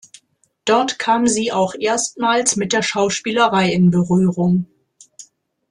Dort kam sie auch erstmals mit der Schauspielerei in Berührung.